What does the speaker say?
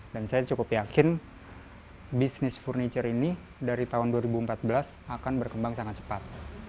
dan saya cukup yakin bisnis furniture ini dari tahun dua ribu empat belas akan berkembang sangat cepat